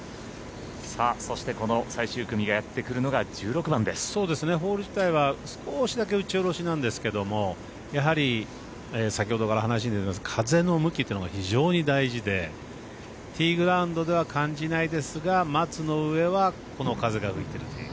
そしてこの最終組がやってくるのがホール自体は少しだけ打ち下ろしなんですけどやはり風の向きというのが非常に大事でティーグラウンドでは感じないですが松の上はこの風が吹いてるという。